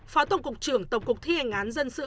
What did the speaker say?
phó tổng cục trưởng tổng cục thi hành án dân sự